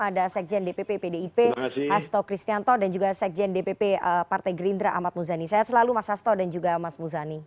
ada sekjen dpp pdip hasto kristianto dan juga sekjen dpp partai gerindra ahmad muzani saya selalu mas asto dan juga mas muzani